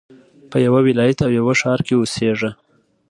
په يوه ولايت او يوه ښار کښي اوسېږه!